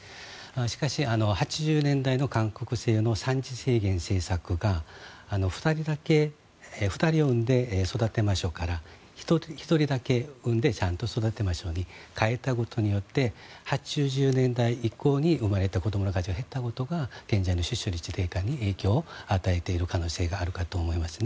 しかし、８０年代の韓国政府の政策が２人を産んで育てましょうから１人だけ産んでちゃんと育てましょうに変えたことで８０年代以降に生まれた子供たちが減ったことが現在の出生率低下に影響を与えている可能性があるかと思います。